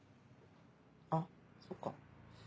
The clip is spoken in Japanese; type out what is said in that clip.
あそっか。